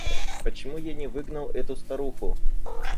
Почему я не выгнал эту старуху?